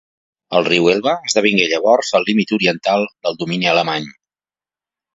El riu Elba esdevingué llavors el límit oriental del domini alemany.